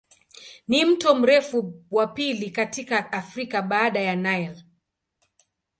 Ni mto mrefu wa pili katika Afrika baada ya Nile.